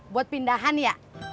buat pindahan ya